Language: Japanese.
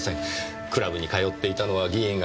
クラブに通っていたのは議員が学生の頃。